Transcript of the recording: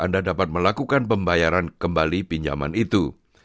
dan apakah anda dapat melakukan pembayaran kembali pinjaman itu